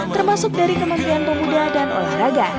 termasuk dari kementerian pemuda dan olahraga